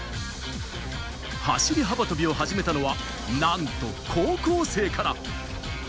走り幅跳びを始めたのは何と高校生から。